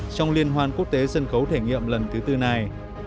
trong liên hoan quốc tế sân khấu thể nghiệm lần thứ tư này